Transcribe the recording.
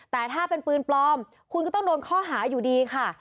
แต่ถ้าเป็นปืนปลอมคุณก็ต้องโดนข้อหาอยู่ดีค่ะ